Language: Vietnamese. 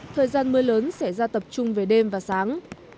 thời gian mưa lớn sẽ ra tập trung về đêm và sáng